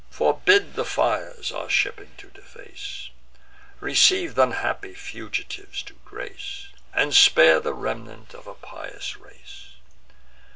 Forbid the fires our shipping to deface! Receive th' unhappy fugitives to grace, And spare the remnant of a pious race!